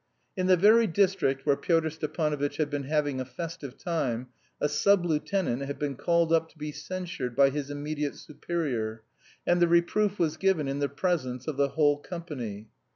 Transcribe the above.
In the very district where Pyotr Stepanovitch had been having a festive time a sub lieutenant had been called up to be censured by his immediate superior, and the reproof was given in the presence of the whole company.